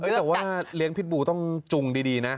แต่ว่าเลี้ยงพิษบูต้องจุงดีนะ